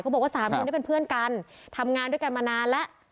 บอกว่าสามคนนี้เป็นเพื่อนกันทำงานด้วยกันมานานแล้ว